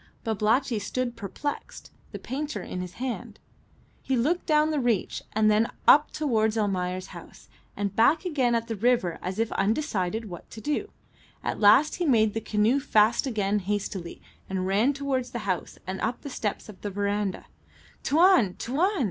Babalatchi stood perplexed, the painter in his hand. He looked down the reach, then up towards Almayer's house, and back again at the river as if undecided what to do. At last he made the canoe fast again hastily, and ran towards the house and up the steps of the verandah. "Tuan! Tuan!"